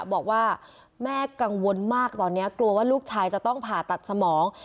บอกว่าแม่กังวลมากตอนนี้กลัวว่าลูกชายจะต้องผ่าตัดสมอง